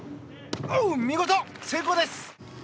見事成功です！